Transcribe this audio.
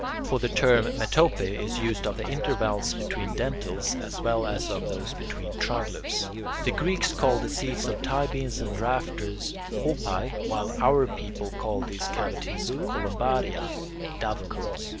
For the term "metope" is used of the intervals between dentils as well as of those between triglyphs. The Greeks call the seats of tie beams and rafters [Greek: opai], while our people call these cavities columbaria (dovecotes).